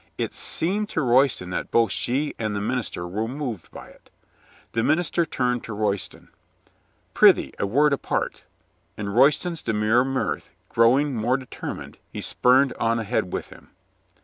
It seemed to Royston that both she and the minister were moved by it. The minister turned to Royston. "Prithee, a word apart," and Royston's demure mirth growing more determined, he spurred on ahead with him.